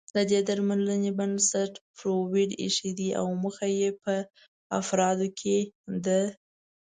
د دې درملنې بنسټ فرویډ اېښی دی او موخه يې په افرادو کې د